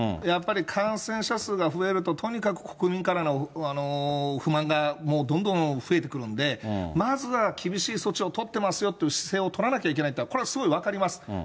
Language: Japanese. やっぱり感染者数が増えると、とにかく国民からの不満がもうどんどん増えてくるんで、まずは厳しい措置を取ってますよという姿勢を取らなきゃいけないっていうのは、これはすごい分かります。